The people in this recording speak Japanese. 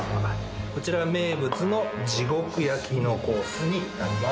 こちらが名物の地獄焼きのコースになります。